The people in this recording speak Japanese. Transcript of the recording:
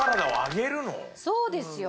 そうですよ。